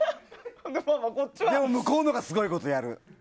でも向こうのほうがすごいことやる。